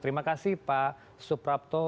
terima kasih pak suprapto